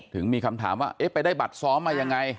ถึงมีคำถามว่าไปได้บัตรซ้อมอะไรยังไง